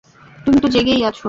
তুমি তো জেগেই আছো।